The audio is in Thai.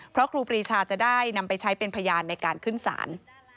เพราะครูปรีชาจะได้นำไปใช้เป็นพยานในการขึ้นศาล